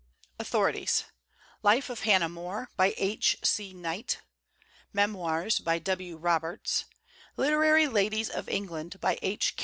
AUTHORITIES Life of Hannah More, by H.C. Knight; Memoirs, by W. Roberts; Literary Ladies of England, by H.